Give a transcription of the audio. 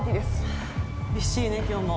はぁびっしりね今日も。